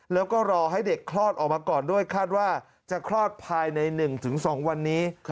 แล้วก็รอให้เด็กคลอดออกมาก่อนด้วยคาดว่าจะคลอดภายใน๑๒วันนี้